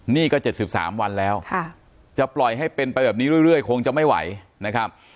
นี่ก็เจ็บสิบสามวันแล้วค่ะจะปล่อยให้เป็นไปแบบนี้เรื่อยเรื่อยคงจะไม่ไหวนะครับ